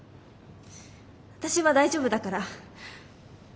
私は大丈夫だから。